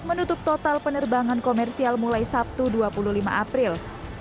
menutup total penerbangan komersial mulai sabtu dua puluh lima april